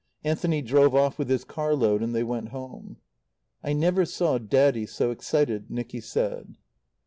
Anthony drove off with his car load, and they went home. "I never saw Daddy so excited," Nicky said.